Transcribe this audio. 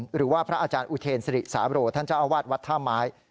หรือว่าพระอาจารย์อุเทรนศรีสารโหท่านเจ้าอาวาสวัดธามาย